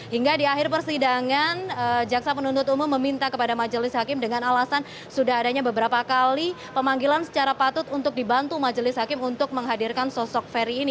hingga di akhir persidangan jaksa penuntut umum meminta kepada majelis hakim dengan alasan sudah adanya beberapa kali pemanggilan secara patut untuk dibantu majelis hakim untuk menghadirkan sosok ferry ini